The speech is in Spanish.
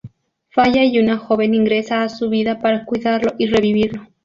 Falla y una joven ingresa a su vida para cuidarlo y revivirlo.